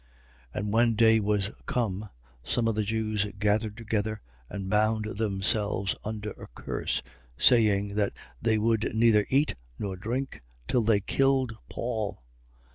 23:12. And when day was come, some of the Jews gathered together and bound themselves under a curse, saying that they would neither eat nor drink till they killed Paul.